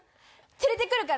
連れてくるから。